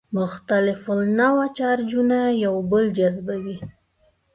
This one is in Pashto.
مختلف النوع چارجونه یو بل جذبوي.